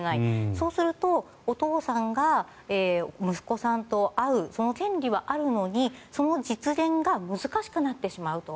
そうすると、お父さんが息子さんと会う権利はあるのにその実現が難しくなってしまうと。